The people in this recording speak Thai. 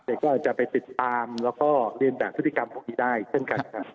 ก็จะไปติดตามแล้วก็เรียนแบบพฤติกรรมพวกนี้ได้เช่นกันครับ